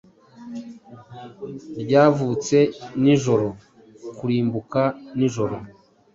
Ryavutse nijoro kurimbuka nijoro